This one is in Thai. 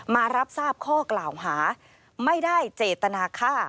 มารับทราบข้อกล่าวหาไม่ได้เจตนาฆ่า